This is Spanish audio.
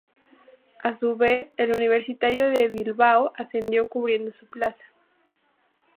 A su vez, el Universitario de Bilbao ascendió cubriendo su plaza.